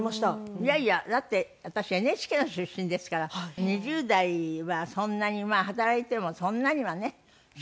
いやいやだって私ＮＨＫの出身ですから２０代はそんなに働いてもそんなにはね収入は。